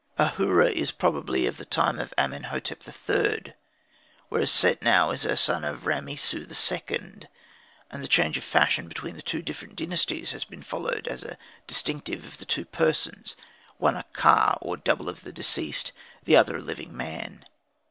Ahura is probably of the time of Amenhotep III., whereas Setnau is a son of Ramessu II.; and the change of fashion between the two different dynasties has been followed as distinctive of the two persons, one a ka or double of the deceased, the other a living man.